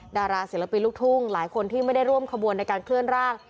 ดาราศิลปินลูกทุ่งหลายคนที่ไม่ได้ร่วมขบวนในการเคลื่อนร่าง